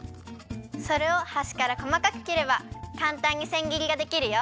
それをはしからこまかくきればかんたんにせんぎりができるよ。